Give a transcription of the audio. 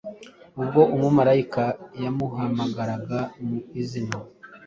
Ubwo umumarayika yamuhamagaraga mu izina,